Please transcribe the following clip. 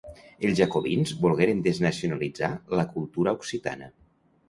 Els jacobins volgueren desnacionalitzar la cultura occitana.